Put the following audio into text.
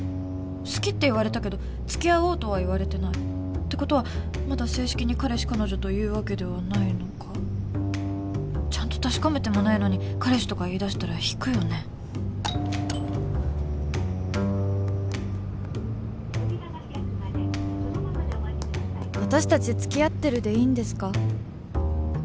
「好き」って言われたけど付き合おうとは言われてないってことはまだ正式に彼氏彼女というわけではないのかちゃんと確かめてもないのに彼氏とか言いだしたら引くよね「私たち付き合ってるでいいんですか？」